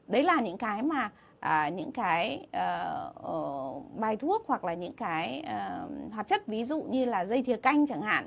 đấy là những cái mà những cái bài thuốc hoặc là những cái hoạt chất ví dụ như là dây thiều canh chẳng hạn